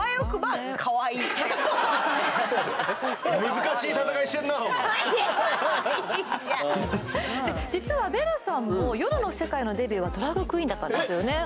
難しい戦いしてんなお前いいじゃん実はベルさんも夜の世界のデビューはドラァグクイーンだったんですよね？